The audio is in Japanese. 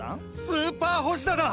スーパー星田だ！